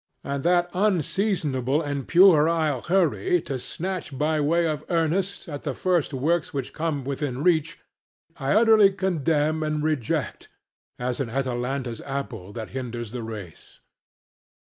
And that unseasonable and puerile hurry to snatch by way of earnest at the first works which come within reach, I utterly condemn and reject, as an Atalanta's apple that hinders the race.